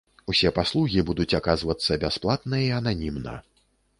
Усе паслугі будуць аказвацца бясплатна і ананімна.